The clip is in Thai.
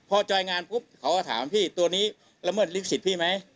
พอจ่อยงานปุ๊บเขาก็ถามพี่รำเมิดลิขสิทธิ์ไหม